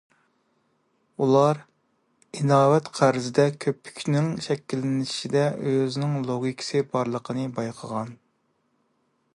ئۇلار ئىناۋەت قەرزدە كۆپۈكنىڭ شەكىللىنىشىدە ئۆزىنىڭ لوگىكىسى بارلىقىنى بايقىغان.